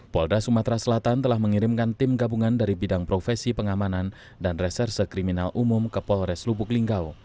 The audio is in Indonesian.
polda sumatera selatan telah mengirimkan tim gabungan dari bidang profesi pengamanan dan reserse kriminal umum ke polres lubuk linggau